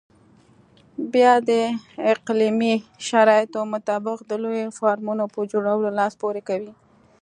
بیا د اقلیمي شرایطو مطابق د لویو فارمونو په جوړولو لاس پورې کوي.